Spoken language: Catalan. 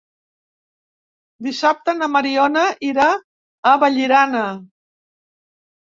Dissabte na Mariona irà a Vallirana.